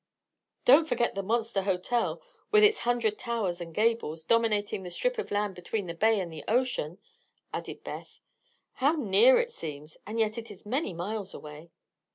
"Don't forget the monster hotel, with its hundred towers and gables, dominating the strip of land between the bay and the ocean," added Beth. "How near it seems, and yet it is many miles away."